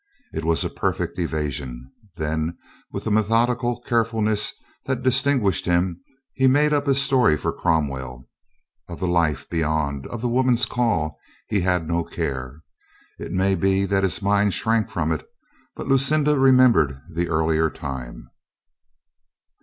It was a perfect evasion. Then, with the methodical carefulness that distinguished him, he made up his story for Cromwell. Of the life beyond, of the woman's call, he had no care. It may be that his mind shrank from it But Lucinda remembered the earlier time.